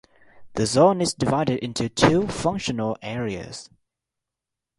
The zone is divided into two functional areas.